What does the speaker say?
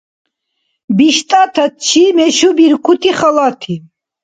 БиштӀатачи мешубиркути халати